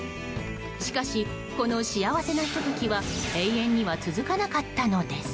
しかし、この幸せなひと時は永遠には続かなかったのです。